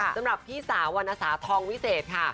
สำหรับพี่สาววรรณสาทองวิเศษค่ะ